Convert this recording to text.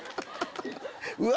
うわ！